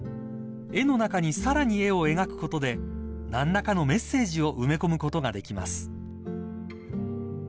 ［絵の中にさらに絵を描くことで何らかのメッセージを埋め込むことができます］